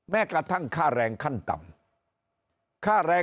แม้กระทั่งค่าแรงขั้นต่ำ